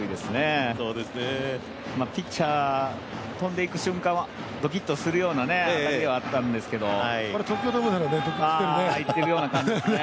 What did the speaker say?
ピッチャー、飛んでいく瞬間はドキッとするような当たりではあったんですけど東京ドームだったら入ってるよね。